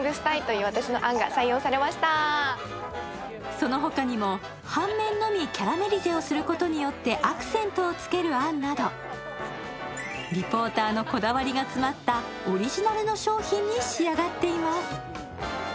その他にも半面のみキャラメリゼすることでアクセントをつける案なんど、リポーターのこだわりがつまったオリジナルの商品に仕上がっています。